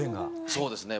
そうですね。